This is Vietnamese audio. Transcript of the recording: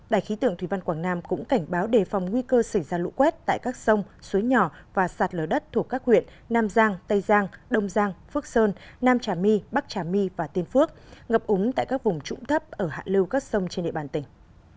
đài khí tượng thủy văn quảng nam cũng cảnh báo đề phòng nguy cơ xảy ra lũ quét tại các sông suối nhỏ và sạt lở đất thuộc các huyện nam giang tây giang đông giang phước sơn nam trà my bắc trà my và tiên phước ngập úng tại các vùng trũng thấp ở hạ lưu các sông trên địa bàn tỉnh